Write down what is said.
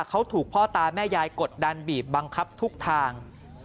เขาถูกพ่อตาแม่ยายกดดันบีบบังคับทุกทาง